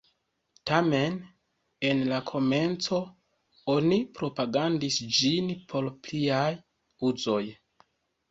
Tamen, en la komenco, oni propagandis ĝin por pliaj uzoj.